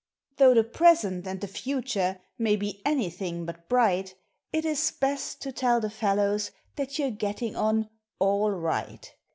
Though the present and the future may be anything but bright. It is best to tell the fellows that you're getting on all right.